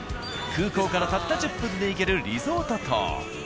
空港からたった１０分で行けるリゾート島。